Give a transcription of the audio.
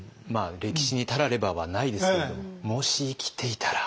歴史に「たられば」はないですけれどもし生きていたら。